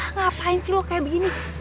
ngapain sih lo kayak begini